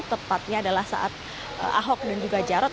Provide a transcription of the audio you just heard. tepatnya adalah saat ahok dan juga jarot